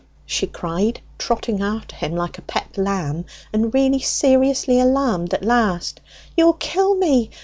she cried, trotting after him like a pet lamb, and really seriously alarmed at last, "you'll kill me!